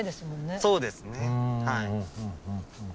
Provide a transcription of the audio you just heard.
そうですねはい。